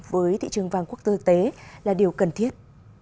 với thị trường vàng quốc tế là điều cần thiết